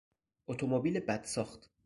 اتومبیل بد ساخت